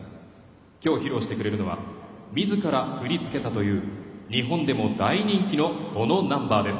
きょう披露してくれるのはみずから振り付けたという日本でも大人気のこのナンバーです。